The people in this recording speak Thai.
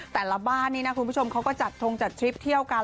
แต่ละบ้านนี้นะคุณผู้ชมเขาก็จัดทงจัดทริปเที่ยวกัน